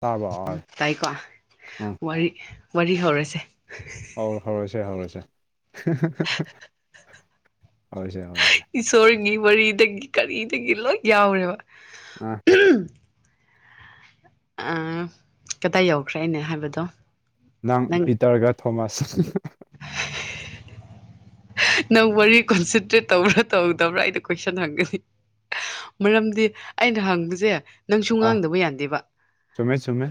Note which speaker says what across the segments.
Speaker 1: ꯇꯥꯕ꯭ꯔꯣ [unintelligible]
Speaker 2: ꯇꯥꯏꯀꯣ ꯋꯥꯔꯤ ꯋꯥꯔꯤ ꯍꯧꯔꯁꯦ
Speaker 1: ꯑꯧ ꯍꯧꯔꯣꯁꯦ ꯍꯧꯔꯣꯁꯦ [unintelligible] ꯍꯧꯔꯁꯦ ꯍꯧꯔꯁꯦ
Speaker 2: ꯏꯁꯣꯔꯒꯤ ꯋꯥꯔꯤꯗꯒꯤ ꯀꯔꯤꯗꯒꯤ ꯂꯣꯏ ꯌꯥꯎꯔꯦꯕ
Speaker 1: ꯑ
Speaker 2: ꯑ ꯀꯗꯥꯏ ꯌꯧꯈ꯭ꯔꯦ ꯑꯩꯅ ꯍꯥꯏꯕꯗꯣ
Speaker 1: ꯅꯪ ꯄꯤꯇꯔꯒ ꯊꯣꯃꯥꯁ
Speaker 2: ꯅꯪ ꯋꯥꯔꯤ ꯀꯣꯟꯁꯤꯟꯇꯔ꯭ꯦꯠ ꯇꯧꯕ꯭ꯔꯥ ꯇꯧꯗꯕ꯭ꯔꯥ ꯑꯩꯩꯗꯤ ꯀꯣꯏꯁꯟ ꯍꯪꯒꯅꯤ ꯃꯔꯝꯗꯤ ꯑꯩꯅ ꯍꯪꯕꯁꯦ ꯅꯪꯁꯨ
Speaker 1: ꯑꯥ
Speaker 2: ꯉꯥꯡꯗꯕ ꯌꯥꯗꯦꯕ
Speaker 1: ꯆꯨꯝꯃꯦ ꯆꯨꯝꯃꯦ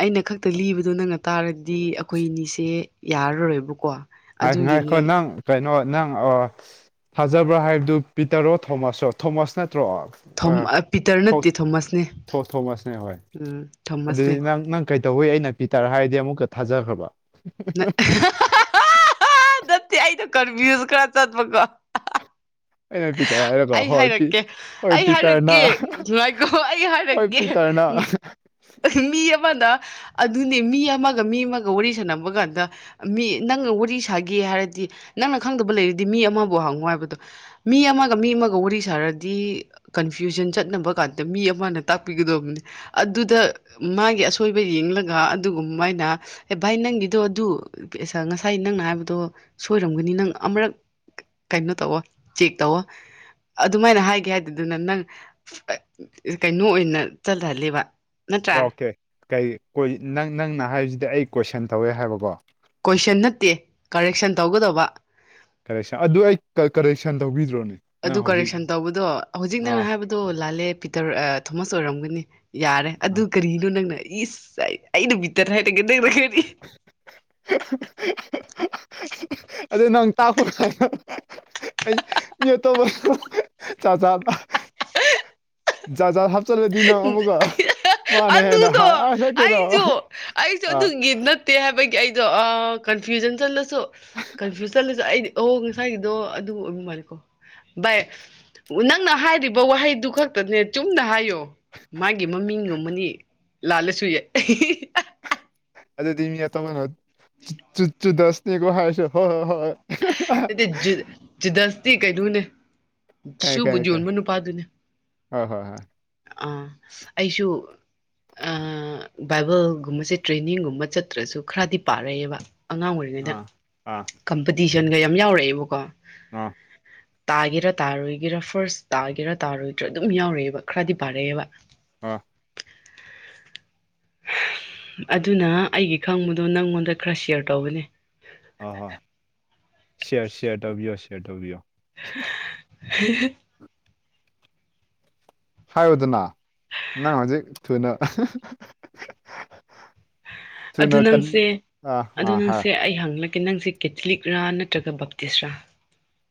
Speaker 2: ꯑꯩꯅ ꯈꯛꯇ ꯂꯤꯕꯗꯣ ꯅꯪꯅ ꯇꯥꯔꯗꯤ ꯑꯩꯈꯣꯏꯅꯤꯁꯦ ꯌꯥꯔꯔꯣꯏꯕꯀꯣ
Speaker 1: ꯍꯥꯏ ꯉꯥꯏꯈꯣ
Speaker 2: ꯑꯗꯨꯒꯤꯅꯦ
Speaker 1: ꯅꯪ ꯀꯩꯅꯣ ꯅꯪ ꯊꯥꯖꯕ꯭ꯔꯥ ꯍꯥꯏꯕꯗꯨ ꯄꯤꯇꯔꯣ ꯊꯣꯃꯁꯔꯣ ꯊꯣꯃꯁ ꯅꯠꯇ꯭ꯔꯣ ꯑ
Speaker 2: ꯊꯣꯝ ꯄꯤꯇꯔ
Speaker 1: ꯊꯣ
Speaker 2: ꯅꯠꯇꯦ ꯊꯣꯃꯁꯅꯦ
Speaker 1: ꯊꯣ ꯊꯣꯃꯁꯅꯦ ꯍꯣꯏ
Speaker 2: ꯎꯝ
Speaker 1: ꯑꯗꯨꯗꯤ
Speaker 2: ꯊꯣꯃꯁꯅꯦ
Speaker 1: ꯅꯪ ꯅꯪ ꯀꯩꯗꯧꯋꯦ ꯑꯩꯅ ꯄꯤꯇꯔ ꯍꯥꯏꯔꯗꯤ ꯑꯃꯨꯛꯀ ꯊꯥꯖꯈ꯭ꯔꯕ
Speaker 2: [unintelligible] ꯑꯩ ꯀꯟꯐ꯭ꯌꯨꯁ ꯈꯔꯥ ꯆꯠꯄꯥꯀꯣ
Speaker 1: ꯑꯩꯅ ꯄꯤꯇꯔ ꯍꯥꯏꯔꯒ
Speaker 2: ꯑꯩ
Speaker 1: ꯍꯣꯏ ꯄꯤ
Speaker 2: ꯍꯥꯏꯔꯛꯀꯦ
Speaker 1: ꯍꯣꯏ
Speaker 2: ꯑꯩ
Speaker 1: ꯄꯤꯇꯔꯅ
Speaker 2: ꯍꯥꯏꯔꯛꯀꯦ ꯉꯥꯏꯈꯣ ꯑꯩ
Speaker 1: ꯍꯣꯏ
Speaker 2: ꯍꯥꯏꯔꯛꯀꯦ
Speaker 1: ꯄꯤꯇꯔꯅ [unintelligible]
Speaker 2: ꯃꯤ ꯑꯃꯗ ꯑꯗꯨꯅꯤ ꯃꯤ ꯑꯃꯒ ꯃꯤ ꯑꯃꯒ ꯋꯥꯔꯤ ꯁꯅꯕ ꯀꯥꯟꯗ ꯃꯤ ꯅꯪꯒ ꯋꯥꯔꯤ ꯁꯥꯒꯦ ꯍꯥꯏꯔꯗꯤ ꯅꯪꯅ ꯈꯪꯗꯕ ꯂꯩꯔꯗꯤ ꯃꯤ ꯑꯃꯕꯨ ꯍꯪꯉꯣ ꯍꯥꯏꯕꯗꯣ ꯃꯤ ꯑꯃꯒ ꯃꯤ ꯑꯃꯒ ꯋꯥꯔꯤ ꯁꯥꯔꯗꯤ ꯀꯟꯐ꯭ꯌꯨꯖꯟ ꯆꯠꯅꯕ ꯀꯥꯟꯗ ꯃꯤ ꯑꯃꯅ ꯇꯥꯛꯄꯤꯒꯗꯕꯅꯤ ꯑꯗꯨꯗ ꯃꯥꯒꯤ ꯑꯁꯣꯏꯕ ꯌꯦꯡꯂꯒ ꯑꯗꯨꯒꯨꯝꯃꯥꯏꯅ ꯑꯦ ꯚꯥꯏ ꯅꯪꯒꯤꯗꯣ ꯑꯗꯨ ꯉꯁꯥꯏ ꯅꯪꯅ ꯍꯥꯏꯕꯗꯣ ꯁꯣꯏꯔꯝꯒꯅꯤ ꯅꯪ ꯑꯃꯨꯔꯛ ꯀꯩꯅꯣ ꯇꯧꯋꫭ ꯆꯦꯛ ꯇꯧꯋꫭ ꯑꯗꯨꯃꯥꯏꯅ ꯍꯥꯏꯒꯦ ꯍꯥꯏꯗꯥꯗꯅ ꯅꯪ ꯀꯩꯅꯣ ꯑꯣꯏꯅ ꯆꯠꯂꯍꯜꯂꯦꯕ
Speaker 1: ꯑꯣꯀꯦ ꯀꯩ ꯀꯣꯏ ꯅꯪ ꯅꯪꯅ ꯍꯥꯏꯕꯁꯤꯗꯤ ꯑꯩ ꯀꯣꯏꯁꯟ ꯇꯧꯋꯦ ꯍꯥꯏꯕꯀꯣ
Speaker 2: ꯀꯣꯏꯁꯟ ꯅꯠꯇꯦ ꯀꯔꯦꯛꯁꯟ ꯇꯧꯒꯗꯧꯕ
Speaker 1: ꯀꯔꯦꯛꯁꯟ ꯑꯗꯨ ꯑꯩ ꯀꯔꯦꯛꯁꯟ ꯇꯧꯕꯤꯗ꯭ꯔꯣꯅꯦ
Speaker 2: ꯑꯗꯨ
Speaker 1: ꯅꯪ ꯍꯧꯖꯤꯛ
Speaker 2: ꯀꯔꯦꯛꯁꯟ ꯇꯧꯕꯗꯣ ꯍꯧꯖꯤꯛ ꯅꯪꯅ
Speaker 1: ꯑꯥ
Speaker 2: ꯍꯥꯏꯕꯗꯣ ꯂꯥꯜꯂꯦ ꯄꯤꯇꯔ ꯊꯣꯃꯁ ꯑꯣꯏꯔꯝꯒꯅꯤ ꯌꯥꯔꯦ ꯑꯗꯨ
Speaker 1: ꯑꯥ
Speaker 2: ꯀꯔꯤꯅꯣ ꯅꯪꯅ ꯏꯁ ꯑꯩꯩꯅ ꯕꯤꯇꯔ ꯍꯥꯏꯔꯒ ꯅꯪꯅ ꯀꯔꯤ
Speaker 1: ꯑꯗꯨ ꯅꯪ [unintelligible] [unintelligible] ꯅꯪ ꯑꯃꯨꯛꯀ
Speaker 2: [unintelligible]
Speaker 1: ꯃꯥꯅ ꯍꯦꯟꯅ
Speaker 2: ꯑꯗꯨꯗꯣ
Speaker 1: ꯍꯥꯏ ꯑꯥ ꯅꯪ ꯀꯩꯅꯣ
Speaker 2: ꯑꯩꯁꯨ ꯑꯩꯁꯨ
Speaker 1: ꯑꯥ
Speaker 2: ꯑꯗꯨꯒꯤ ꯇꯦ ꯍꯥꯏꯕꯒꯤ ꯑꯩꯗꯣ ꯀꯟꯐ꯭ꯌꯨꯖꯟ ꯆꯠꯂꯁꯨ ꯀꯟꯐ꯭ꯌꯨꯁ ꯆꯠꯂꯁꯨ ꯑꯩꯗꯤ ꯑꯣ ꯉꯁꯥꯏꯒꯤꯗꯣ ꯑꯗꯨ ꯑꯣꯏꯕ ꯃꯥꯜꯂꯦꯀꯣ ꯚꯥꯏ ꯅꯪꯅ ꯍꯥꯏꯔꯤꯕ ꯋꯥꯍꯩꯗꯨ ꯈꯛꯇꯅꯦ ꯆꯨꯝꯅ ꯍꯥꯏꯌꯣ ꯃꯥꯒꯤ ꯃꯃꯤꯡꯒꯨꯝꯕꯅꯤ ꯂꯥꯜꯂꯁꯨ ꯌꯥꯏ
Speaker 1: ꯑꯗ ꯊꯃꯤꯌꯥ ꯇꯃꯅ ꯆꯨ ꯆꯨꯗꯁ ꯅꯤꯒꯣ ꯍꯁꯨ ꯍ ꯍꯣꯏ ꯍꯣꯏ [unintelligible] [inaudible]
Speaker 2: ꯖꯤꯗꯁꯇꯤ ꯀꯩꯅꯣꯅꯦ
Speaker 1: ꯈꯪꯉꯦ
Speaker 2: ꯁꯕꯨ
Speaker 1: ꯈꯪꯉꯦ ꯈꯪꯉꯦ
Speaker 2: ꯌꯣꯟꯕ ꯅꯨꯄꯥꯗꯨꯅꯦ
Speaker 1: ꯍꯣꯏ ꯍꯣꯏ ꯍꯣꯏ [unintelligible] [inaudible]
Speaker 2: ꯑ ꯑꯩꯁꯨ ꯕꯥꯏꯕꯜꯒꯨꯝꯕꯁꯦ ꯇ꯭ꯔꯦꯅꯤꯡꯒꯨꯝꯕ ꯆꯠꯇ꯭ꯔꯁꯨ ꯈꯔꯗꯤ ꯄꯥꯔꯛꯑꯕ ꯑꯉꯥꯡ ꯑꯣꯏꯔꯤꯉꯩꯗ
Speaker 1: ꯑꯥ ꯑꯥ
Speaker 2: ꯀꯝꯄꯤꯇꯤꯁꯟꯒ ꯌꯥꯝ ꯌꯥꯎꯔꯛꯑꯦꯕꯀꯣ
Speaker 1: ꯎꯝ [unintelligible] [inaudible]
Speaker 2: ꯇꯥꯒꯦꯔꯥ ꯇꯥꯔꯣꯏꯒꯦꯔꯥ ꯐꯥꯔꯁ ꯇꯥꯒꯦꯔꯥ ꯇꯥꯔꯣꯏꯗꯔꯥ ꯑꯗꯨꯝ ꯌꯥꯎꯔꯛꯑꯦꯕ ꯈꯔꯗꯤ ꯄꯥꯔꯛꯑꯦꯕ
Speaker 1: ꯑꯥ [unintelligible] [inaudible]
Speaker 2: [unintelligible] [inaudible] ꯑꯗꯨꯅ ꯑꯩꯒꯤ ꯈꯪꯕꯗꯣ ꯅꯪꯉꯣꯟꯗ ꯈꯔ ꯁꯤꯌꯔ ꯇꯧꯕꯅꯦ
Speaker 1: ꯑ ꯍꯣꯏ ꯁꯤꯌꯔ ꯁꯤꯦꯌꯔ ꯇꯧꯕꯤꯌꯣ ꯁꯤꯌꯔ ꯇꯧꯕꯤꯌꯣ
Speaker 2: ꯍ ꯍ [unintelligible] [inaudible]
Speaker 1: ꯍꯥꯏꯌꯨꯗꯅ ꯅꯪ ꯍꯧꯖꯤꯛ ꯊꯨꯅ
Speaker 2: ꯑꯗꯨ
Speaker 1: ꯊꯨꯅ ꯀꯟ
Speaker 2: ꯅꯪꯁꯦ
Speaker 1: ꯑꯥ
Speaker 2: ꯑꯗꯨ
Speaker 1: ꯑꯥ ꯍꯥꯏ
Speaker 2: ꯅꯪꯁꯦ ꯑꯩ ꯍꯪꯂꯛꯒꯦ ꯅꯪꯁꯦ ꯀꯦꯊꯂꯤꯛꯔꯥ ꯅꯠꯇ꯭ꯔꯒ ꯕꯞꯇꯤꯁꯔꯥ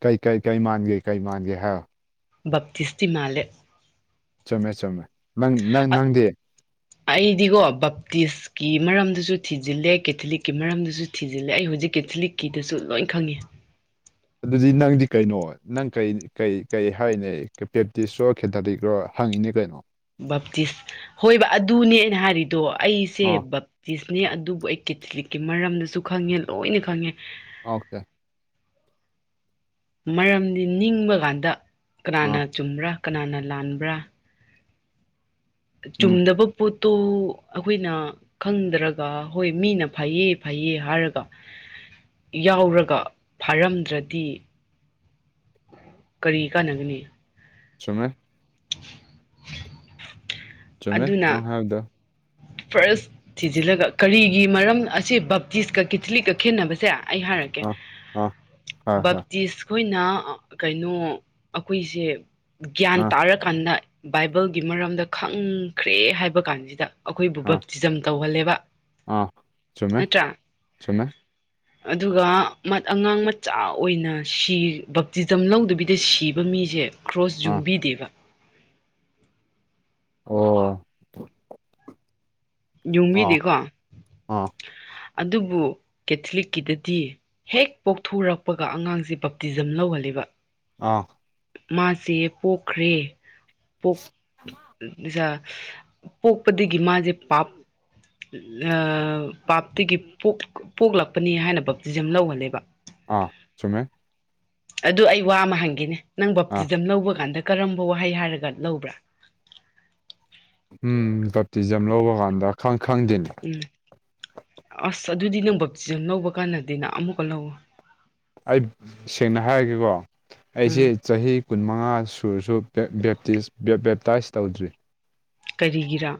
Speaker 1: ꯀꯩ ꯀꯩ ꯀꯔꯤ ꯃꯥꯟꯒꯦ ꯀꯩ ꯃꯥꯟꯒꯦ ꯍꯥꯏ
Speaker 2: ꯕꯞꯇꯤꯁꯇꯤ ꯃꯥꯂꯦ
Speaker 1: ꯆꯨꯝꯃꯦ ꯆꯨꯝꯃꯦ ꯅꯪ ꯅꯪ ꯅꯪꯗꯤ
Speaker 2: ꯑꯩꯗꯤꯒꯣ ꯕꯞꯇꯤꯁꯀꯤ ꯃꯔꯝꯗꯁꯨ ꯊꯤꯖꯤꯜꯂꯦ ꯀꯦꯊꯂꯤꯛꯀꯤ ꯃꯔꯝꯗꯁꯨ ꯊꯤꯖꯤꯜꯂꯦ ꯑꯩ ꯍꯧꯖꯤꯛ ꯀꯦꯊꯂꯤꯛꯀꯤꯗꯁꯨ ꯂꯣꯏ ꯈꯪꯉꯦ
Speaker 1: ꯑꯗꯨꯗꯤ ꯅꯪꯗꯤ ꯀꯩꯅꯣ ꯅꯪ ꯀꯩ ꯀꯩ ꯀꯩ ꯍꯥꯏꯅꯦ ꯄꯦꯞꯇꯤꯁꯔꯣ ꯈꯦꯊꯔꯤꯛ꯭ꯔꯣ ꯍꯪꯉꯤꯅꯦ ꯀꯩꯅꯣ
Speaker 2: ꯕꯥꯞꯇꯤꯁ ꯍꯣꯏꯕ ꯑꯗꯨꯅꯦ ꯑꯩꯅ ꯍꯥꯏꯔꯤꯗꯣ ꯑꯩꯁꯦ
Speaker 1: ꯑꯥ
Speaker 2: ꯆꯤꯁꯅꯦ ꯑꯗꯨꯕꯨ ꯑꯩ ꯀꯦꯊꯂꯤꯛꯀꯤ ꯃꯔꯝꯗꯁꯨ ꯈꯪꯉꯦ ꯂꯣꯏꯅ ꯈꯪꯉꯦ
Speaker 1: ꯑꯣꯀꯦ
Speaker 2: ꯃꯔꯝꯗꯤ ꯅꯤꯡꯕ ꯀꯥꯟꯗ ꯀꯅꯥꯅ
Speaker 1: ꯑꯥ
Speaker 2: ꯆꯨꯝꯕ꯭ꯔꯥ ꯀꯅꯥꯅ ꯂꯥꯟꯕ꯭ꯔꯥ
Speaker 1: ꯎꯝ
Speaker 2: ꯆꯨꯝꯗꯕ ꯄꯣꯠꯇꯣ ꯑꯩꯈꯣꯏꯅ ꯈꯪꯗ꯭ꯔꯒ ꯍꯣꯏ ꯃꯤꯅ ꯐꯩꯌꯦ ꯐꯩꯌꯦ ꯍꯥꯏꯔꯒ ꯌꯥꯎꯔꯒ ꯐꯥꯔꯝꯗ꯭ꯔꯗꯤ ꯀꯔꯤ ꯀꯥꯟꯅꯒꯅꯤ
Speaker 1: ꯆꯨꯝꯃꯦ
Speaker 2: ꯊ
Speaker 1: ꯆꯨꯝꯃꯦ
Speaker 2: ꯑꯗꯨꯅ
Speaker 1: ꯅꯪ ꯍꯥꯏꯕꯗꯣ
Speaker 2: ꯐꯥꯔꯁ ꯊꯤꯖꯤꯜꯂꯒ ꯀꯔꯤꯒꯤ ꯃꯔꯝ ꯁꯤ ꯕꯞꯇꯤꯁꯀ ꯀꯤꯊꯂꯤꯛꯀ ꯈꯦꯠꯅꯕꯁꯦ ꯑꯩ ꯍꯥꯏꯔꯛꯀꯦ
Speaker 1: ꯑꯥ ꯑꯥ ꯍꯣꯏ ꯍꯣꯏ
Speaker 2: ꯕꯞꯇꯤꯁ ꯑꯩꯈꯣꯏꯅ ꯀꯩꯅꯣ ꯑꯩꯈꯣꯏꯁꯦ ꯒ꯭ꯌꯥꯟ
Speaker 1: ꯑꯥ
Speaker 2: ꯇꯥꯔꯀꯥꯟꯗ ꯕꯥꯏꯕꯜꯒꯤ ꯃꯔꯝꯗ ꯈꯪꯈ꯭ꯔꯦ ꯍꯥꯏꯕ ꯀꯥꯟꯁꯤꯗ ꯑꯩꯈꯣꯏꯕꯨ
Speaker 1: ꯑꯥ
Speaker 2: ꯕꯛ ꯇꯤꯖꯝ ꯇꯧꯍꯜꯂꯦꯕ
Speaker 1: ꯑꯥ ꯆꯨꯝꯃꯦ
Speaker 2: ꯅꯠꯇ꯭ꯔꯥ
Speaker 1: ꯆꯨꯝꯃꯦ
Speaker 2: ꯑꯗꯨꯒ ꯑꯉꯥꯡ ꯃꯆꯥ ꯑꯣꯏꯅ ꯁꯤ ꯕꯞꯇꯤꯖꯝ ꯂꯧꯗꯕꯤꯗ ꯁꯤꯕ ꯃꯤꯁꯦ ꯀ꯭ꯔꯣꯁ
Speaker 1: ꯑꯥ
Speaker 2: ꯌꯨꯡꯕꯤꯗꯦꯕ
Speaker 1: ꯑꯣ ꯑꯥ
Speaker 2: ꯌꯨꯝꯕꯤꯗꯤꯀꯣ
Speaker 1: ꯑꯥ
Speaker 2: ꯑꯗꯨꯕꯨ ꯀꯦꯊꯂꯤꯛꯀꯤꯗꯗꯤ ꯍꯦꯛ ꯄꯣꯛꯊꯣꯔꯛꯄ ꯀꯄꯒ ꯑꯉꯥꯡꯁꯦ ꯕꯞꯇꯤꯖꯝ ꯂꯧꯍꯜꯂꯤꯕ
Speaker 1: ꯑ
Speaker 2: ꯃꯥꯁꯦ ꯄꯣꯛꯈ꯭ꯔꯦ ꯄꯣꯛꯖ ꯄꯣꯛꯄꯗꯒꯤ ꯃꯥꯁꯦ ꯄꯞ ꯄꯥꯞꯇꯒꯤ ꯄꯣꯛꯂꯛꯄꯅꯤ ꯍꯥꯏꯅ ꯕꯞꯇꯤꯖꯝ ꯂꯧꯍꯜꯂꯦꯕ
Speaker 1: ꯑꯥ ꯆꯨꯝꯃꯦ
Speaker 2: ꯑꯗꯨ ꯑꯩ ꯋꯥ ꯑꯃ ꯍꯪꯒꯦꯅꯦ ꯅꯪ
Speaker 1: ꯑꯥ
Speaker 2: ꯕꯥꯞꯇꯤꯖꯝ ꯂꯧꯕ ꯀꯥꯟꯗ ꯀꯔꯝꯕ ꯋꯥꯍꯩ ꯍꯥꯏꯔꯒ ꯂꯧꯕ꯭ꯔꯥ
Speaker 1: ꯎꯝ ꯀꯞꯇꯤꯖꯝ ꯂꯧꯕ ꯀꯥꯟꯗ ꯈꯪ ꯈꯪꯗꯦꯅꯤ
Speaker 2: ꯎꯝ ꯑꯁ ꯑꯗꯨꯗꯤ ꯅꯪꯕꯞ ꯆ ꯂꯧꯕ ꯀꯥꯟꯗꯗꯤꯅ ꯑꯃꯨꯛꯀ ꯂꯧꯋ
Speaker 1: ꯑꯩ ꯁꯦꯡꯅ ꯍꯥꯏꯔꯒꯦꯀꯣ ꯑꯩꯁꯦ
Speaker 2: ꯎꯝ
Speaker 1: ꯆꯍꯤ ꯀꯨꯟꯃꯉꯥ ꯁꯨꯔꯁꯨ ꯕꯦꯞꯇꯥꯏꯁ ꯇꯧꯗ꯭ꯔꯤ
Speaker 2: ꯀꯔꯤꯒꯤꯔ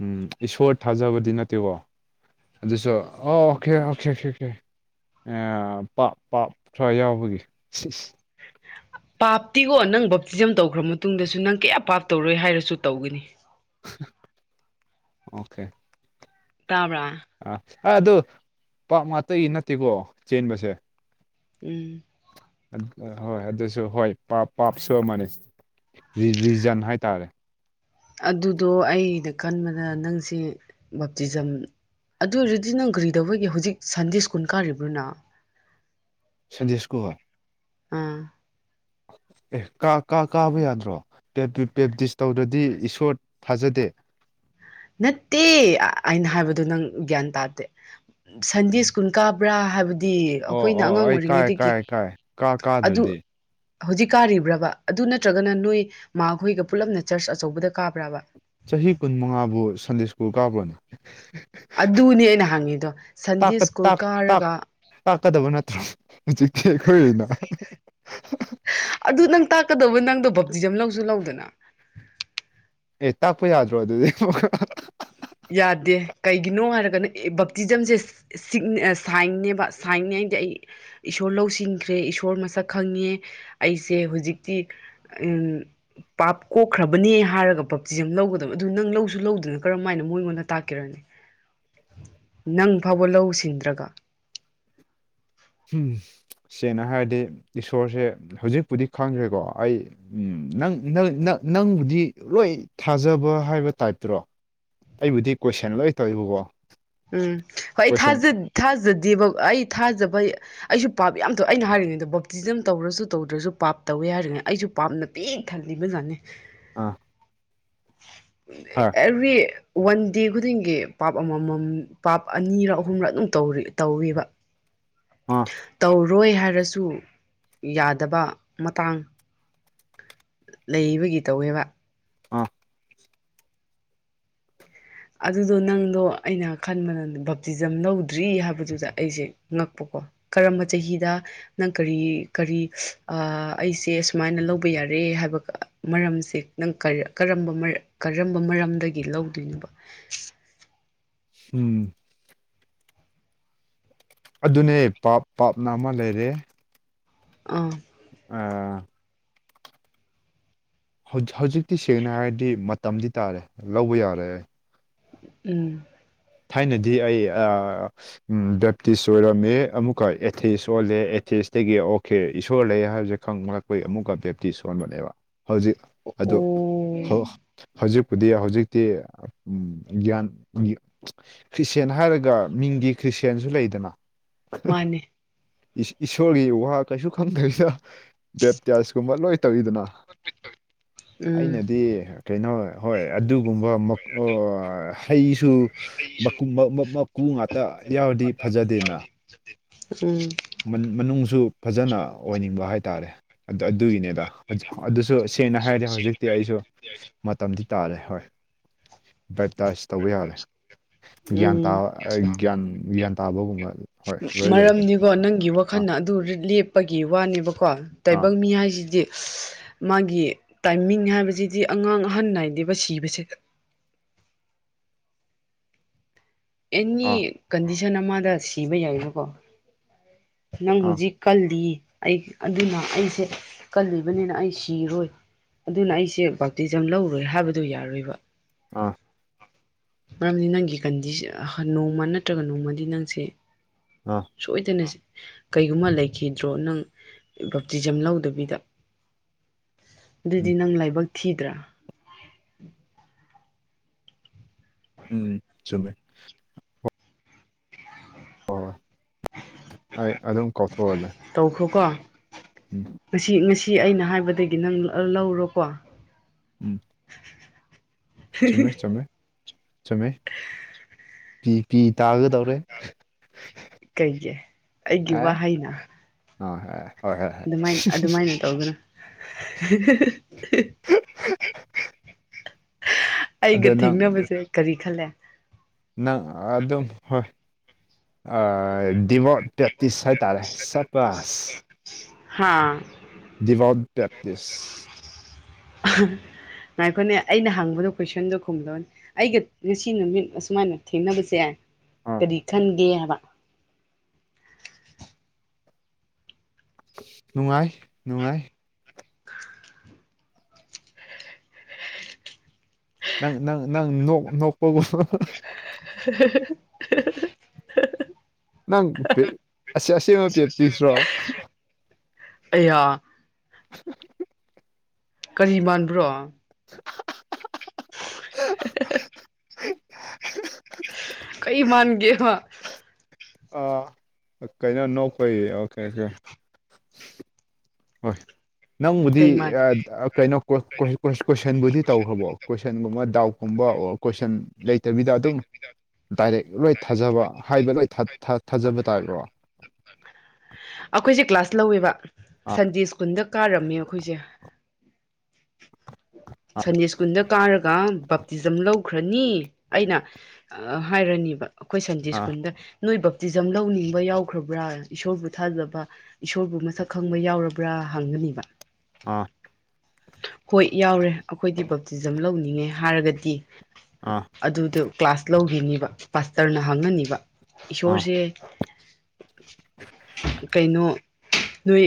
Speaker 1: ꯎꯝ ꯏꯁꯣꯔ ꯊꯥꯖꯕꯗꯤ ꯅꯠꯇꯦꯀꯣ ꯑꯗꯨꯁꯨ ꯑꯣ ꯑꯣꯀꯦ ꯑꯣꯀꯦ ꯄꯥꯞ ꯄꯥꯞ ꯊꯔ ꯌꯥꯎꯕꯒꯤ ꯁꯤ
Speaker 2: ꯄꯥꯞꯇꯤꯀꯣ ꯅꯪ ꯕꯞꯇꯤꯖꯝ ꯇꯧꯈ꯭ꯔ ꯃꯇꯨꯡꯗꯁꯨ ꯅꯪ ꯀꯌꯥ ꯄꯥꯞꯇꯧꯔꯣꯏ ꯍꯥꯏꯔꯁꯨ ꯇꯧꯒꯅꯤ
Speaker 1: ꯑꯣꯀꯦ
Speaker 2: ꯇꯥꯕ꯭ꯔꯥ
Speaker 1: ꯑꯥ ꯑꯗꯨ ꯄꯥꯥꯛ ꯉꯥꯛꯇꯒꯤ ꯅꯠꯇꯦꯀꯣ ꯆꯦꯟꯕꯁꯦ
Speaker 2: ꯎꯝ
Speaker 1: ꯍꯣꯏ ꯑꯗꯨꯁꯨ ꯍꯣꯏ ꯄ ꯄꯥꯞꯁꯨ ꯑꯃꯅꯤ ꯔꯤꯖꯟ ꯍꯥꯏꯇꯥꯔꯦ
Speaker 2: ꯑꯗꯨꯗꯣ ꯑꯩꯅ ꯈꯟꯕꯗ ꯅꯪꯁ ꯕꯞꯇꯤꯖꯝ ꯑꯗꯨ ꯑꯣꯏꯔꯗꯤ ꯅꯪ ꯀꯔꯤꯗꯧꯕꯒꯤ ꯍꯧꯖꯤꯛ ꯁꯟꯗꯦ ꯁ꯭ ꯀꯨꯟ ꯀꯥꯔꯤꯕ꯭ꯔꯣꯅ
Speaker 1: ꯁꯟꯗꯦ ꯁꯀꯨꯜ
Speaker 2: ꯎꯝ
Speaker 1: ꯑꯦ ꯀꯥ ꯀꯥ ꯀꯥꯕ ꯌꯥꯗ꯭ꯔꯣ ꯄ꯭ꯔꯦꯞꯇꯤꯁ ꯇꯧꯗꯗꯤ ꯏꯁꯣꯔ ꯊꯥꯖꯗꯦ
Speaker 2: ꯅꯠꯇꯦ ꯑꯩꯅ ꯍꯥꯏꯕꯗꯨ ꯅꯪ ꯒ꯭ꯌꯥꯟ ꯇꯥꯗꯦ ꯁꯟꯗꯦ ꯁ꯭ꯀꯨꯟ ꯀꯥꯕ꯭ꯔꯥ ꯍꯥꯏꯕꯗꯤ ꯗꯤ
Speaker 1: ꯑꯣ
Speaker 2: ꯑꯩꯈꯣꯏꯅ
Speaker 1: ꯑꯣ
Speaker 2: ꯑꯉꯥꯡ
Speaker 1: ꯑꯩ ꯀꯥꯏ
Speaker 2: ꯑꯣꯏꯔꯤꯉꯩꯗꯒꯤ
Speaker 1: ꯀꯥꯏ ꯀꯥꯏ ꯀꯥ
Speaker 2: ꯑꯗꯨ
Speaker 1: ꯀꯥꯗ꯭ꯔꯗꯤ
Speaker 2: ꯍꯧꯖꯤꯛ ꯀꯥꯔꯤꯕ꯭ꯔꯕ ꯑꯗꯨ ꯅꯠꯇ꯭ꯔꯒꯅ ꯅꯣꯏ ꯃꯥꯈꯣꯏꯒ ꯄꯨꯜꯂꯞꯅ ꯆꯔꯆ ꯑꯆꯧꯕꯗ ꯀꯥꯕ꯭ꯔꯕ
Speaker 1: ꯆꯍꯤ ꯀꯨꯟ ꯃꯉꯥꯕꯨ ꯁꯟꯗꯦ ꯁ꯭ꯀꯨꯜ ꯀꯥꯞꯄ꯭ꯔꯅ
Speaker 2: ꯑꯗꯨꯅꯦ ꯑꯩꯅ ꯍꯪꯉꯤꯗꯣ ꯁꯟꯗꯦ
Speaker 1: ꯇꯥꯛꯀ
Speaker 2: ꯁ꯭ꯀꯨꯜ
Speaker 1: ꯇꯥꯛ ꯇꯥꯛ
Speaker 2: ꯀꯥꯔꯒ
Speaker 1: ꯇꯥꯛꯀꯗꯕ ꯅꯠꯇ꯭ꯔꯣ ꯍꯧꯖꯤꯛꯇꯀꯤ ꯑꯩꯈꯣꯏ ꯑꯣꯏꯅ
Speaker 2: ꯑꯗꯨ ꯅꯪ ꯇꯥꯛꯀꯗꯧꯕ ꯅꯪꯗꯣ ꯕꯞꯇꯤꯖꯝ ꯂꯧꯁꯨ ꯂꯧꯗꯅ
Speaker 1: ꯑꯦ ꯇꯥꯛꯄ ꯌꯥꯗ꯭ꯔꯣ ꯑꯗꯨꯗꯤ
Speaker 2: ꯌꯥꯗꯦ ꯀꯩꯒꯤꯅꯣ ꯍꯥꯏꯔꯒꯅ ꯑꯦ ꯕꯞꯇꯤꯖꯝꯁꯦ ꯁꯥꯏꯅꯦꯕ ꯁꯥꯏꯟꯉꯩꯗꯤ ꯑꯩ ꯏꯁꯣꯔ ꯂꯧꯁꯤꯟꯈ꯭ꯔꯦ ꯏꯁꯣꯔ ꯃꯁꯛ ꯈꯪꯉꯦ ꯑꯩꯁꯦ ꯍꯧꯖꯤꯛꯇꯤ ꯎ ꯄꯥꯞ ꯀꯣꯛꯈ꯭ꯔꯕꯅꯦ ꯍꯥꯏꯔꯒ ꯄꯞꯇꯤꯁꯦ ꯌꯥꯝ ꯂꯧꯒꯗꯕ ꯑꯗꯨ ꯅꯪ ꯂꯧꯁꯨ ꯂꯧꯗꯅꯔ ꯀꯃꯥꯏꯅ ꯃꯣꯏꯉꯣꯟꯗ ꯇꯥꯛꯀꯔꯅꯤ ꯅꯪ ꯐꯥꯎꯕ ꯂꯧ ꯁꯤꯡꯗ꯭ꯔꯒ
Speaker 1: ꯎꯝ ꯁꯦꯡꯅ ꯍꯥꯏꯔꯗꯤ ꯏꯁꯣꯔꯁꯦ ꯍꯧꯖꯤꯛꯄꯨꯗꯤ ꯈꯪꯈ꯭ꯔꯦꯀꯣ ꯑꯩ ꯎꯝ ꯅꯪꯪ ꯅꯪꯕꯨꯗꯤ ꯂꯣꯏ ꯊꯥꯖꯕ ꯍꯥꯏꯕ ꯇꯥꯏꯞꯇꯔꯣ ꯑꯩꯕꯨꯗꯤ ꯀꯣꯏꯁꯟ ꯂꯣꯏ ꯇꯧꯔꯤꯕꯀꯣ
Speaker 2: ꯎꯝ ꯍꯣꯏ ꯑꯩꯥꯖ ꯊꯥꯖꯗꯦꯕ ꯑꯩ ꯊꯥꯖꯕ ꯑꯩꯁꯨ ꯄꯥꯞ ꯌꯥꯝꯗꯣ ꯑꯩꯅ ꯍꯥꯏꯔꯤꯉꯩꯗ ꯕꯨꯞꯇꯤꯖꯝ ꯇꯧꯔꯁꯨ ꯇꯧꯗ꯭ꯔꯁꯨ ꯄꯥꯞ ꯇꯧꯋꯦ ꯍꯥꯏꯔꯤꯉꯩ ꯑꯩꯁꯨ ꯄꯥꯞꯅ ꯄ ꯊꯜꯂꯤꯃꯖꯥꯦ
Speaker 1: ꯑꯥ ꯍꯣꯏ
Speaker 2: ꯑꯦꯚ꯭ꯔꯤ ꯋꯥꯟ ꯗꯦ ꯈꯨꯗꯤꯡꯒꯤ ꯄꯥꯞ ꯑꯃꯃꯝ ꯄ ꯑꯅꯤꯔ ꯑꯍꯨꯝꯔ ꯑꯗꯨꯝ ꯇꯧ ꯇꯧꯔꯤꯕ
Speaker 1: ꯑ
Speaker 2: ꯇꯧꯔꯣꯏ ꯍꯥꯏꯔꯁꯨ ꯌꯥꯗꯕ ꯃꯇꯥꯡ ꯂꯩꯕꯒꯤ ꯇꯧꯋꯦꯕ
Speaker 1: ꯑꯥ
Speaker 2: ꯑꯗꯨꯗꯣ ꯅꯪꯗꯣ ꯑꯩꯅ ꯈꯟꯕ ꯅ ꯕꯥꯞꯇꯤꯖꯝ ꯂꯧꯗ꯭ꯔꯤ ꯍꯥꯏꯕꯗꯨꯗ ꯑꯩꯁꯦ ꯉꯛꯄꯀꯣ ꯀꯔꯝꯕ ꯆꯍꯤꯗ ꯅꯪ ꯀꯔꯤ ꯀꯔꯤ ꯑꯩꯁꯦ ꯁꯨꯃꯥꯏꯅ ꯂꯧꯕ ꯌꯥꯔꯦ ꯍꯥꯏꯕ ꯃꯔꯝꯁꯦ ꯅꯪ ꯀꯝꯕ ꯀꯔꯝꯕ ꯃꯔꯝꯗꯒꯤ ꯂꯧꯗꯣꯏꯅꯣꯕ [inaudible]
Speaker 1: ꯎꯝ ꯑꯗꯨꯅꯦ ꯄꯥꯞ ꯄꯥꯞꯅ ꯑꯃ ꯂꯩꯔꯦ
Speaker 2: ꯑꯥ
Speaker 1: ꯑꯥ ꯍꯧ ꯍꯧꯖꯤꯛꯇꯤ ꯁꯦꯡꯅ ꯍꯥꯏꯔꯗꯤ ꯃꯇꯝꯗꯤ ꯇꯥꯔꯦ ꯂꯧꯕ ꯌꯥꯔꯦ
Speaker 2: ꯎꯝ
Speaker 1: ꯊꯥꯏꯅꯗꯤ ꯑꯩ ꯑꯥ ꯎꯝ ꯕꯦꯞꯇꯤꯁ ꯑꯣꯏꯔꯝꯃꯦ ꯑꯃꯨꯛꯀꯥ ꯑꯦꯊꯤꯁ ꯑꯣꯜꯂꯦ ꯑꯦꯊꯤꯁꯇꯒꯤ ꯑꯣꯀꯦ ꯏꯁꯣꯔ ꯂꯩ ꯍꯥꯏꯕꯁꯦ ꯈꯪꯕꯅ ꯈꯣꯏ ꯑꯃꯨꯛꯀ ꯕꯦꯞꯇꯤꯁ ꯁꯣꯟꯕꯅꯦꯕ ꯍꯧꯖꯤꯛ
Speaker 2: ꯑꯣ
Speaker 1: ꯑꯗꯨ ꯍꯧ ꯍꯧꯖꯤꯛꯄꯨꯗꯤ ꯍꯧꯖꯤꯛꯇꯤ ꯎꯝ ꯒꯤꯌꯥꯟ ꯈ꯭ꯔꯤꯁꯇꯦꯟ ꯍꯥꯏꯔꯒ ꯃꯤꯡꯒꯤ ꯈ꯭ꯔꯤꯁꯇꯦꯟꯁꯨ ꯂꯩꯗꯅ
Speaker 2: ꯃꯥꯅꯦ
Speaker 1: ꯏꯁꯣꯔꯒꯤ ꯋꯥ ꯀꯩꯁꯨ ꯈꯪꯗꯔꯤꯗ ꯕꯦꯞꯇꯤꯌꯥꯁꯀꯨꯝꯕ ꯂꯣꯏ ꯇꯧꯋꯤꯗꯥꯅ
Speaker 2: ꯎꯝ
Speaker 1: ꯑꯩꯅꯗꯤ ꯀꯩꯅꯣ ꯍꯣꯏ ꯑꯗꯨꯒꯨꯝꯕ ꯑꯃꯥ ꯀꯣ ꯍꯩꯁꯨ ꯃꯀꯨ ꯃꯥ ꯃꯥ ꯃꯀꯨ ꯉꯥꯛꯇ ꯌꯥꯎꯔꯗꯤ ꯐꯖꯗꯦꯅ
Speaker 2: ꯎꯝ
Speaker 1: ꯃꯅꯨꯡꯁꯨ ꯐꯖꯅ ꯑꯣꯏꯅꯤꯡꯕ ꯍꯥꯏꯇꯥꯔꯦ ꯑꯗꯨꯒꯤꯅꯦꯗ ꯑꯗꯨꯁꯨ ꯇꯦꯟꯅ ꯍꯥꯏꯔꯗꯤ ꯍꯧꯖꯤꯛꯇꯤ ꯑꯩꯁꯨ ꯃꯇꯝꯗꯤ ꯇꯥꯔꯦ ꯍꯣꯏ ꯕꯦꯞꯇꯥꯏꯖ ꯇꯧꯕ ꯌꯥꯔꯦ ꯒ꯭ꯌꯥꯟ ꯇꯥ
Speaker 2: ꯎꯝ
Speaker 1: ꯒ꯭ꯌꯥꯟ ꯒ꯭ꯌꯥꯟ ꯇꯥꯕꯒꯨꯝꯕ ꯍꯣꯏ ꯂꯣꯏ ꯂꯩꯈꯔꯦ
Speaker 2: ꯕꯣ ꯅꯪꯒꯤ ꯋꯥꯈꯜꯅ ꯑꯗꯨ ꯂꯦꯞꯄꯒꯤ ꯋꯥꯅꯦꯕꯀꯣ
Speaker 1: ꯑꯥ
Speaker 2: ꯇꯥꯏꯕꯪ ꯃꯤ ꯍꯥꯏꯁꯤꯗꯤ ꯃꯥꯒꯤ ꯇꯥꯏꯃꯤꯡ ꯍꯥꯏꯕꯁꯤꯗꯤ ꯑꯉꯥꯡ ꯑꯍꯟ ꯅꯥꯏꯗꯦꯕ ꯁꯤꯕꯁꯦꯗ ꯑꯦꯅꯤ
Speaker 1: ꯑꯥ
Speaker 2: ꯀꯟꯗꯤꯁꯟ ꯑꯃꯗ ꯁꯤꯕ ꯌꯥꯏꯕꯀꯣ ꯅꯪ
Speaker 1: ꯑꯥ
Speaker 2: ꯍꯧꯖꯤꯛ ꯀꯜꯂꯤ ꯑꯩ ꯑꯗꯨꯅ ꯑꯩꯁꯦ ꯀꯜꯂꯤꯕꯅꯤꯅ ꯑꯩ ꯁꯤꯔꯣꯏ ꯑꯗꯨꯅ ꯑꯩꯁꯦ ꯕꯛꯇꯤꯖꯝ ꯂꯧꯔꯣꯏ ꯍꯥꯏꯕꯗꯣ ꯌꯥꯔꯣꯏꯕ
Speaker 1: ꯑꯥ
Speaker 2: ꯃꯔꯝꯗꯤ ꯅꯪꯒꯤ ꯀꯟꯗꯤ ꯅꯣꯡꯃ ꯅꯠꯇ꯭ꯔꯒ ꯅꯣꯡꯃꯗꯤ ꯅꯪꯁꯦ
Speaker 1: ꯑꯥ
Speaker 2: ꯁꯣꯏꯗꯅꯁꯤ ꯀꯩꯒꯨꯝꯕ ꯂꯩꯈꯤꯗ꯭ꯔꯣ ꯅꯪ ꯕꯞꯇꯤꯖꯝ ꯂꯧꯗꯕꯤꯗ ꯑꯗꯨꯗꯤ
Speaker 1: ꯎꯝ
Speaker 2: ꯅꯪ ꯂꯥꯏꯕꯛ ꯊꯤꯗ꯭ꯔꯥ
Speaker 1: ꯎꯝ ꯆꯨꯝꯃꯦ ꯍꯣꯏ ꯍꯣꯏ ꯍꯣꯏ ꯑꯗꯨꯝ ꯀꯥꯎꯊꯣꯛꯍꯜꯂꯦ
Speaker 2: ꯇꯧꯈ꯭ꯔꯣꯀꯣ
Speaker 1: ꯎꯝ
Speaker 2: ꯉꯁꯤ ꯉꯁꯤ ꯑꯩꯅ ꯍꯥꯏꯕꯗꯒꯤ ꯅꯪ ꯂꯧꯔꯣꯀꯣ
Speaker 1: ꯎꯝ ꯆꯨꯝꯃꯦ ꯆꯨꯝꯃꯦ ꯆꯨꯝꯃꯦ ꯄꯤ ꯄꯤ ꯇꯥꯒꯗꯧꯔꯦ
Speaker 2: ꯀꯩꯒꯤ ꯑꯩꯒꯤ
Speaker 1: ꯑꯦ
Speaker 2: ꯋꯥꯍꯩꯅ
Speaker 1: ꯍꯣꯏ ꯍꯣꯏ ꯍꯣꯏ ꯍꯣꯏ
Speaker 2: ꯑꯗꯨꯃꯥꯏ ꯑꯗꯨꯃꯥꯏꯅ ꯇꯧꯒꯅꯨ [unintelligible]
Speaker 1: ꯑꯗꯣ
Speaker 2: ꯑꯩꯒ
Speaker 1: ꯅꯪ
Speaker 2: ꯊꯦꯡꯅꯕꯁꯦ ꯀꯔꯤ ꯈꯜꯂꯦ
Speaker 1: ꯅꯪ ꯑꯗꯨꯝ ꯍꯣꯏ ꯑꯥ ꯗꯤꯕꯣꯠ ꯗꯦꯇꯤꯁ ꯍꯥꯏꯇꯥꯔꯦ ꯁꯕꯥꯁ
Speaker 2: ꯍꯥꯥ
Speaker 1: ꯗꯤꯚꯥꯎꯠ ꯄ꯭ꯔꯦꯞꯇꯤꯁ
Speaker 2: ꯉꯥꯏꯈꯣꯅꯦ ꯑꯩꯅ ꯍꯪꯕꯗꯣ ꯀꯣꯏꯁꯟꯗꯣ ꯈꯨꯝꯂꯣꯅꯦ ꯑꯩꯒ ꯉꯁꯤ ꯅꯨꯃꯤꯠ ꯑꯁꯨꯃꯥꯏꯅ ꯊꯦꯡꯅꯕꯁꯦ
Speaker 1: ꯑꯥ
Speaker 2: ꯀꯔꯤ ꯈꯟꯒꯦ ꯍꯥꯏꯕ
Speaker 1: ꯅꯨꯡꯉꯥꯏ ꯅꯨꯡꯉꯥꯏ ꯅꯪ ꯅꯪ ꯅꯣꯛ ꯅꯣꯛꯄꯕꯣ
Speaker 2: [unintelligible]
Speaker 1: ꯅꯪ ꯑꯁꯦꯡꯕ ꯄꯦꯞꯇꯤꯁꯔꯣ
Speaker 2: ꯑꯌꯥ
Speaker 1: [unintelligible]
Speaker 2: ꯀꯔꯤ ꯃꯥꯟꯕ꯭ꯔꯣ
Speaker 1: [unintelligible]
Speaker 2: [unintelligible] ꯀꯩ ꯃꯥꯟꯒꯦꯕ
Speaker 1: ꯑ ꯀꯩꯅꯣ ꯅꯣꯛꯄꯩ ꯑꯣꯀꯦ ꯑꯣꯀꯦ ꯍꯣꯏ ꯅꯪꯕꯨꯗꯤ
Speaker 2: ꯀꯩ
Speaker 1: ꯑ
Speaker 2: ꯃꯥꯟꯒꯦ
Speaker 1: ꯀꯩꯅꯣ ꯀꯣꯏ ꯀꯣꯏ ꯀꯣꯏꯁꯟꯕꯨꯗꯤ ꯇꯧꯈ꯭ꯔꯕꯣ ꯀꯣꯏꯁꯟꯒꯨꯝꯕ ꯗꯥꯎꯠꯀꯨꯝꯕ ꯑꯣꯔ ꯀꯣꯏꯁꯟ ꯂꯩꯇꯕꯤꯗ ꯑꯗꯨꯝ ꯗꯥꯏꯔꯦꯛ ꯂꯣꯏ ꯊꯥꯖꯕ ꯍꯥꯏꯕ ꯂꯣꯏ ꯊꯥꯊꯥꯖꯕ ꯇꯥꯏꯕ꯭ꯔꯣ
Speaker 2: ꯑꯩꯈꯣꯏꯁꯦ ꯀ꯭ꯂꯥꯁ ꯂꯧꯋꯦꯕ
Speaker 1: ꯑꯥ
Speaker 2: ꯁꯟꯗꯦ ꯁ꯭ꯀꯨꯜꯗ ꯀꯥꯔꯝꯃꯦ ꯑꯩꯈꯣꯏꯁꯦ
Speaker 1: ꯑꯥ
Speaker 2: ꯁꯟꯗꯦ ꯁꯀꯨꯟꯗ ꯀꯥꯔꯒ ꯕ ꯇꯤꯖꯝ ꯂꯧꯈ꯭ꯔꯅꯤ ꯑꯩꯅ ꯍꯥꯏꯔꯅꯤꯕ ꯑꯩꯈꯣꯏ ꯁꯟꯗꯦ
Speaker 1: ꯑꯥ
Speaker 2: ꯁ꯭ꯀꯨꯜꯗ ꯅꯣꯏ ꯕꯞꯇꯤꯖꯝ ꯂꯧꯅꯤꯡꯕ ꯌꯥꯎꯈ꯭ꯔꯕ꯭ꯔꯥ ꯏꯁꯣꯔꯕꯨ ꯊꯥꯖꯕ ꯏꯁꯣꯔꯕꯨ ꯃꯁꯛ ꯈꯪꯕ ꯌꯥꯎꯔꯕ꯭ꯔꯥ ꯍꯪꯒꯅꯤꯕ
Speaker 1: ꯑꯥ
Speaker 2: ꯍꯣꯏ ꯌꯥꯎꯔꯦ ꯑꯩꯈꯣꯏꯗꯤ ꯕꯞꯇꯤꯖꯝ ꯂꯧꯅꯤꯡꯉꯦ ꯍꯥꯏꯔꯒꯗꯤ
Speaker 1: ꯑꯥ
Speaker 2: ꯑꯗꯨꯗ ꯀ꯭ꯂꯥꯁ ꯂꯧꯈꯤꯅꯤꯕ ꯄꯥꯁꯇꯔꯅ ꯍꯪꯉꯅꯤꯕ
Speaker 1: ꯑꯥ
Speaker 2: ꯏꯁꯣꯔꯁꯦ ꯀꯩꯅꯣ ꯅꯣꯏ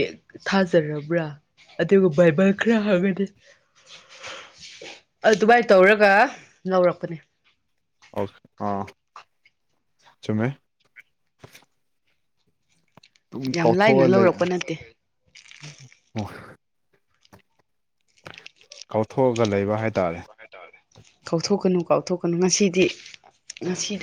Speaker 2: ꯊꯥꯖꯔꯕ꯭ꯔꯥ ꯑꯗꯨꯒ ꯕꯥꯏꯕꯜ ꯈꯔ ꯍꯪꯒꯅꯤ ꯑꯗꯨꯃꯥꯏꯅ ꯇꯧꯔꯒ ꯂꯧꯔꯛꯄꯅꯦ
Speaker 1: ꯑꯣ ꯑꯥ ꯆꯨꯝꯃꯦ ꯑꯗꯨꯝ
Speaker 2: ꯌꯥꯝ ꯂꯥꯏꯅ
Speaker 1: ꯀꯥꯎꯊꯣꯛꯑ ꯂꯩ
Speaker 2: ꯂꯧꯔꯛꯄ ꯅꯠꯇꯦ
Speaker 1: ꯀꯥꯎꯊꯣꯛꯑꯒ ꯂꯩꯕ ꯍꯥꯏꯇꯥꯔꯦ
Speaker 2: [unintelligible] ꯀꯥꯎꯊꯣꯛꯀꯅꯨ ꯀꯥꯎꯊꯣꯛꯀꯅꯨ ꯉꯁꯤꯗꯤ ꯉꯁꯤꯗ